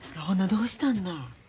ほなどうしたんな。